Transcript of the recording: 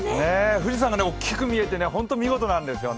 富士山がおっきく見えて本当に見事なんですよね。